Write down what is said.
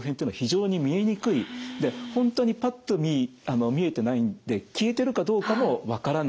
本当にパッと見見えてないんで消えてるかどうかも分からない。